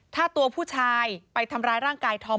ถ้าตัวผู้ชายไปทำร้ายร่างกายธอม